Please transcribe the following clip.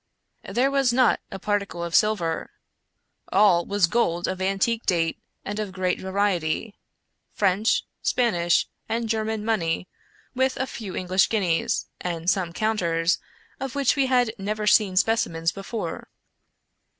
There was not a particle of silver. All was gold of antique date and of great variety — French, Spanish, and German money, with a few English guineas, and some counters, of which we had never seen specimens before.